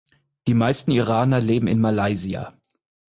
Die meisten Iraner leben in Malaysia.